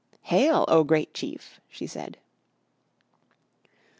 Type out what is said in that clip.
"Hail, O great chief!" she said.